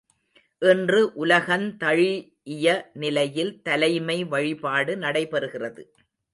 இன்று உலகந் தழீஇய நிலையில் தலைமை வழிபாடு நடைபெறுகிறது.